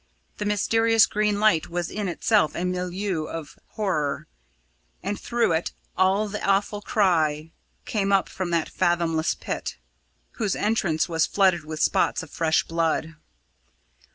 The mysterious green light was in itself a milieu of horror. And through it all the awful cry came up from that fathomless pit, whose entrance was flooded with spots of fresh blood.